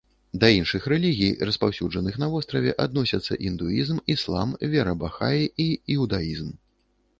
Да іншых рэлігій, распаўсюджаных на востраве, адносяцца індуізм, іслам, вера бахаі і іудаізм.